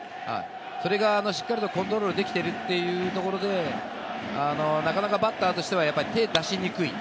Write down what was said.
それがしっかりとコントロールできているというところで、なかなかバッターとしては手を出しにくい。